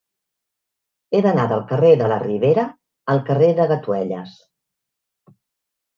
He d'anar del carrer de la Ribera al carrer de Gatuelles.